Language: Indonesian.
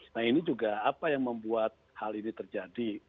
nah ini juga apa yang membuat hal ini terjadi